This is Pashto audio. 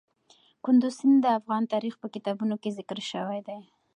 کندز سیند د افغان تاریخ په کتابونو کې ذکر شوی دي.